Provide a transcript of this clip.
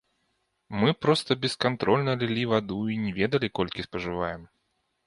Мы проста бескантрольна лілі ваду і не ведалі, колькі спажываем.